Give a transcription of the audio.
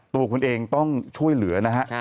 ตัวคุณเองต้องช่วยเหลือนะฮะ